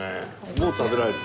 もう食べられる？